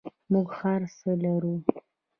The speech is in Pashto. موږ هر څه لرو؟